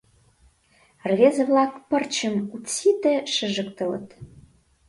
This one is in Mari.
Рвезе-влак пырчым утсите шыжыктылыт.